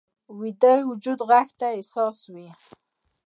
ویده وجود غږ ته حساس وي